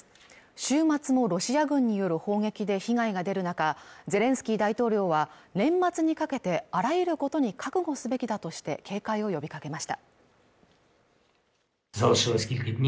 週末もロシア軍による砲撃で被害が出る中ゼレンスキー大統領は年末にかけてあらゆることに覚悟すべきだとして警戒を呼びかけました